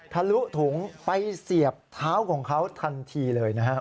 ทะลุถุงไปเสียบเท้าของเขาทันทีเลยนะครับ